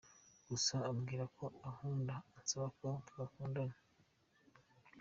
Gusa ambwira ko ankunda ansaba ko twakundana .